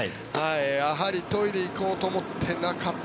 やはり、トイレ行こうと思ってなかった。